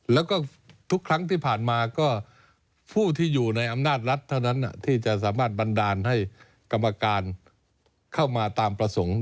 แล้วก็ทุกครั้งที่ผ่านมาก็ผู้ที่อยู่ในอำนาจรัฐเท่านั้นที่จะสามารถบันดาลให้กรรมการเข้ามาตามประสงค์